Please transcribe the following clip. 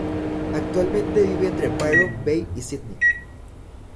Actualmente vive entre Byron Bay y Sídney.